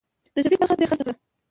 د شفيق برخه ترې خرڅه کړه.